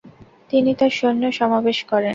তিনি তাঁর সৈন্য সমাবেশ করেন।